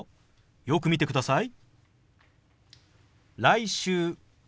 よく見てください。